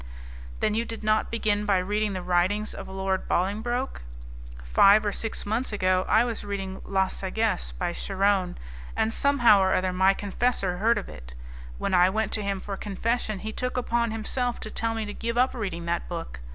"Then you did not begin by reading the writings of Lord Bolingbroke? Five or six months ago, I was reading La Sagesse, by Charron, and somehow or other my confessor heard of it; when I went to him for confession, he took upon himself to tell me to give up reading that book.